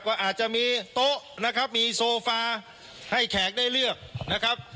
ก็อาจจะมีโต๊ะนะครับมีโซฟาให้แขกได้เลือกนะครับ